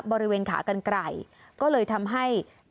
บริเวณขากันไกลก็เลยทำให้